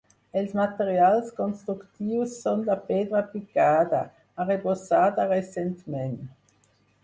Els materials constructius són la pedra picada, arrebossada recentment.